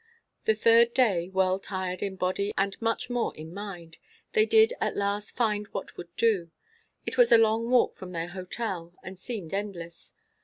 The third day, well tired in body and much more in mind, they did at last find what would do. It was a long walk from their hotel, and seemed endless.